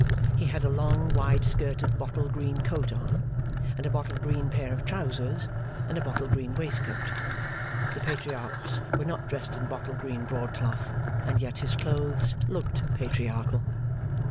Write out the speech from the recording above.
He had a long wide skirted bottle green coat on, and a bottle green pair of trousers, and a bottle green waistcoat. The Patriarchs were not dressed in bottle green broadcloth, and yet his clothes looked patriarchal.